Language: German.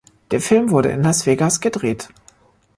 Der Film wurde in Las Vegas gedreht.